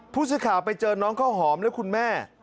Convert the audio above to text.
ผู้ชายข่าวไปเจอน้องเขาหอมและคุณแม่